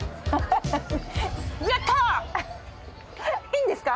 いいんですか？